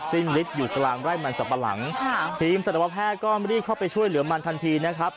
สิ้นฤทธิ์อยู่กลางไร่มันสับปะหลังค่ะทีมสัตวแพทย์ก็รีบเข้าไปช่วยเหลือมันทันทีนะครับ